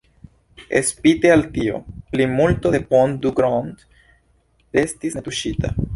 Spite al tio, plimulto de Pont du Gard restis netuŝita.